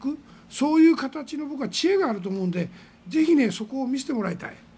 そういう形の知恵があると思うのでぜひ、そこを見せてもらいたい。